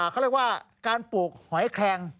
เขาเรียกว่าการปลูกหอยแคลง